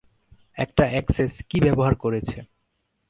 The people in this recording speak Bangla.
একটা অ্যাক্সেস কী ব্যবহার করেছে।